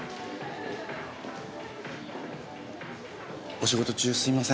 お仕事中すいません。